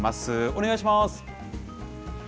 お願いします。